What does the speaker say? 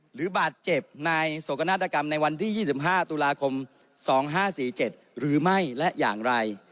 หรือบาดเจ็บในโศกนาฏกรรมในวันที่๒๕ตุลาคม๒๕๔๗หรือไม่และอย่างไร